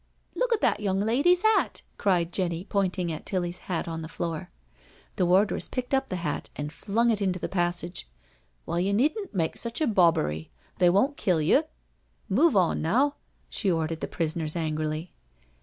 "Look at this young lady's hat I" cried Jenny, pointing at Tilly's hat on the floor. The wardress picked up the hat and flung it into the passage. " Well, you needn't make such a bobbery — ^they won't kill you. Move on now," she ordered the prisoners angrily.